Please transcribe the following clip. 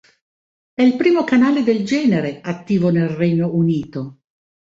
È il primo canale del genere attivo nel Regno Unito.